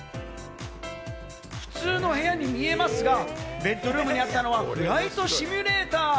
普通の部屋に見えますが、ベッドルームにあったのはフライトシミュレーター。